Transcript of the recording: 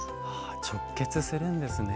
直結するんですね。